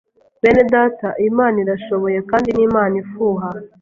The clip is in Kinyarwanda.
bene data iyi Mana irashoboye kandi ni Imana ifuha